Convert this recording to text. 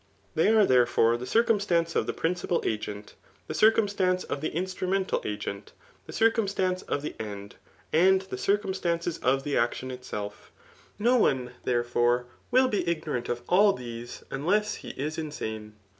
] They are, therefore, the circum stance of the principal agent, the circumstance of the instrumental agent, the circumstance of the end, and the circumstances of the action itself. No one, therefore^ will be ignorant of all these unless he is insane.